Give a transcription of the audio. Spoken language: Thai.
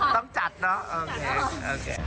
ต้องจัดเนาะโอเคโอเค